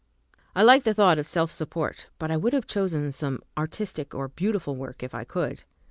I liked the thought of self support, but I would have chosen some artistic or beautiful work if I could.